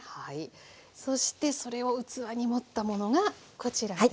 そしてそれを器に盛ったものがこちらです。